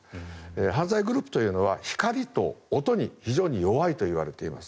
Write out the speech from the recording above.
犯罪グループというのは光と音に非常に弱いといわれています。